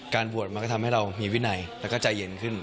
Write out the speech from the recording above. บวชมันก็ทำให้เรามีวินัยแล้วก็ใจเย็นขึ้น